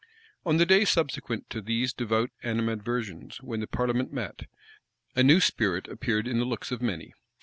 364 On the day subsequent to these devout animadversions when the parliament met, a new spirit appeared in the looks of many.